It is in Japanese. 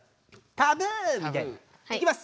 いきます！